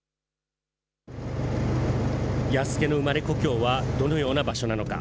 弥助の生まれ故郷はどのような場所なのか。